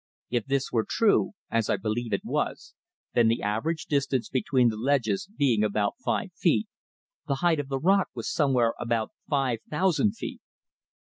If this were true, as I believe it was, then the average distance between the ledges being about five feet, the height of the rock was somewhere about five thousand feet.